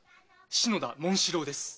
篠田紋四郎です。